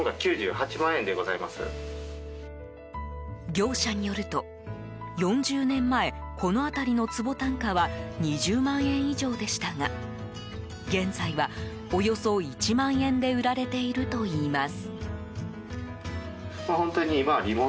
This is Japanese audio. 業者によると４０年前この辺りの坪単価は２０万円以上でしたが現在は、およそ１万円で売られているといいます。